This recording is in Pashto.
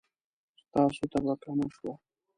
ستاسو تبه کمه شوه؟